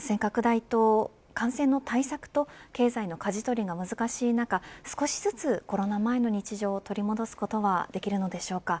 感染の対策と経済のかじ取りが難しい中少しずつコロナ前の日常を取り戻すことはできるのでしょうか。